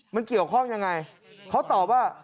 มันเกี่ยวข้องยังไงเขาตอบว่า